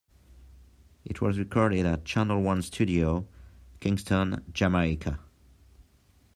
It was recorded at Channel One Studio, Kingston, Jamaica.